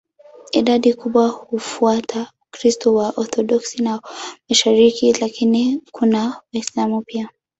Idadi kubwa hufuata Ukristo wa Waorthodoksi wa mashariki, lakini kuna Waislamu pia.